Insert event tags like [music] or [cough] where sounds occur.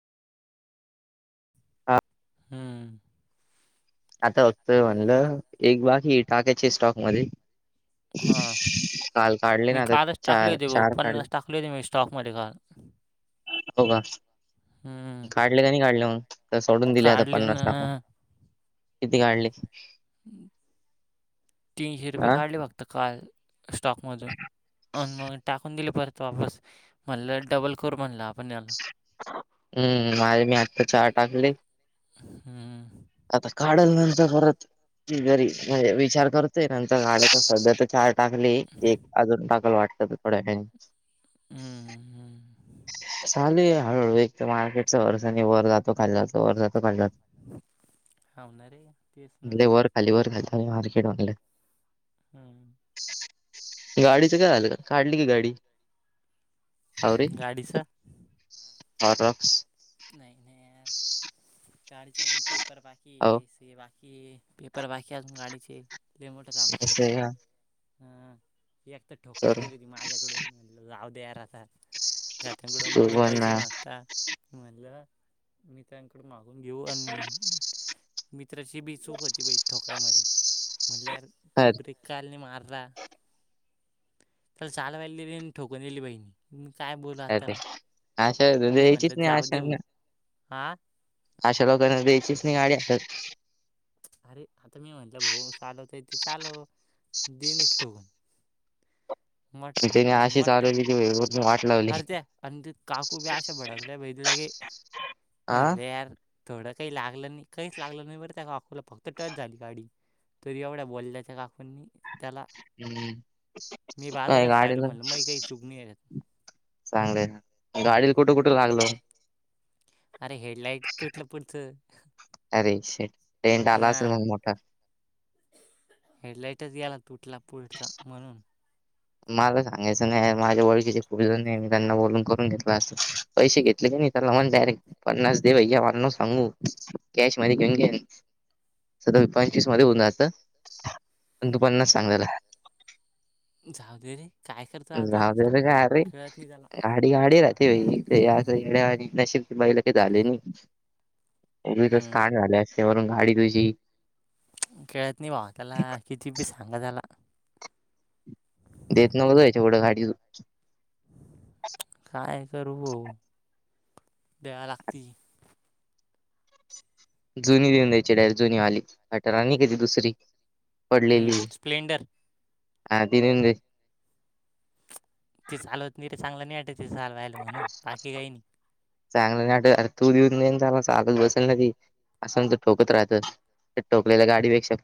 हां. हम्मं आतां होतंय म्हणलं एक बाकी टाकांयचे स्टॉक मंध्यें हां. कांल कांढ मी कारलचं टाकलें होते बरं पन्नास टाकलें होते मी स्टॉकमंध्यें कांल हो कां हम्म. काढलें की नाहीं काढलें मंग तरं सोडूंन दिले आतां काढले ना पन्नास टाकूंन. किती कांढले तीनंशे रुपये हा काढलें फक्तं कांल स्टॉकमधूंन. अ मंग टाकूंन दिली परंत वापस म्हणलं डबलं करूं म्हणलां आपणं. हम्मं माझ मी आत्ता चार टांकले. हम्मं. आतां काढलं नंतर परतं ती घरी म्हणजे विचांर करतंय नंतर गण्यांचा संध्या तरं चं टांकले एक अजूंन टांकलं वाटतं थोड्या वेळानं हम्म हम् चालेू आहे हळूहळू एक तर मार्केट वर्षनी वर जातो खाली जातो वर जातो हो ना रे. तेच ना. वर खाली वर घात मार्केट वालं हम्म गाडीच काय झाल का काढली की गाडी गाडीच्या ह रक्स नाही नाहीर गाडीचा अजून पेपर बाकी हो स बाकी कि पेपर बाकी असून गाडीचे मोठ काम असं करायचें का हं ती एकता ठोकले चल गेली होती माझ्याकडून म्ह लाव द यार आताात तू घातांकडकड पण पैसे मागता म्हणलं मी त्यांकड मागून घेऊ आणि मित्राची बी चूक होती प ठोकय मारी म्हणल्या त ब्रेक कालनी मारता त्याला चाल वाहियली ठोकून दिली बहिणी काय बोलल आता अरे त्याला आशा त द्यायचीच नाही आशा भाऊ हा अशा लोकांना द्यायचीच नि गाडीात अरे आता मी म्हटलं भा चालवत आहे ते चालव देनट ठोकून मट त्याने आशी चालवलीली व अरच आणि त काकू बी अशे भडकले बहि तिला की हा म्ह लर थोडं काही लागलं नाही काहीच लागलं नाही बरं त्याकोला फक्त टच झाली गाडी तरी एवढ्या बोलल्याच्या काकूननी त्याला हम्म मी काय बाजूलाच राहिलो गाडीला म्हणल म काही चुकणी आहे चांगलंय गाडीला कुठं कुठं लागलं अरे हेडलाईट तुटलं पुढतं अरे शे टेंट आला असेल मग मोठा हेडलाइटच याला तुटला पुढचा म्हणून मला सांगायचं नाही माझ्या ओळखीचे खूप जण आहे मी त्यांना बोलून करून घेतला असतो पैसे घेतले क नाही त्याला लान डयरेक्ट पणनास दे अय म न सांगू कश मध्ये स पंचवीस मध्ये होऊनतं दुपननाच सांगायला जाऊ दे रे काय करतो आता राहू दे रे सांगून काय अरे खेळत नाही त्याला गाडी गाडी राहते आणि नशबची महिला काही झाले नाही त हम्म तच ाान झाले असते वरून गाडी तुझी खेळत नाही वा त्याला किती बी सांगा झाला ह देत न बघवायच्या एवढं गाडी काय करू हो द्यावा लागती जुनी देऊन द्यायची डाय जुनी आली हटर आणि कि ती दुसरी पडलेली हम्म स्प्लेंडर हा [unintelligible] ती चालवत नाही त चांगलं नाही वाटत रे चालवायला म्हणून बाकी काही नाही. चांगल नाही वाटत अरे तू निऊन दे जा ना चालवत बसल ना ती. असं ना तर ठोकत राहतं तर ठोकलेला गाडी वे शकत